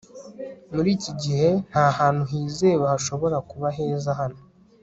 muri iki gihe, ntahantu hizewe hashobora kuba heza hano